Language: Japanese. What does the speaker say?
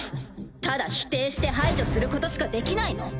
ただ否定して排除することしかできないの？